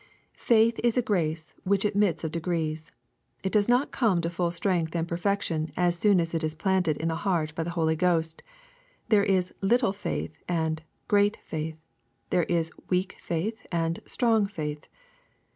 Faith is a grace which admits of degrees. It does not come to fuU strength and perfection as soon as it is planted in the heart by the Holy Ghost. There is "little" faith and "great" faith. There is "weak" faith and "strong" faith.